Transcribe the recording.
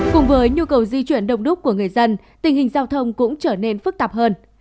cùng với nhu cầu di chuyển đông đúc của người dân tình hình giao thông cũng trở nên phức tạp hơn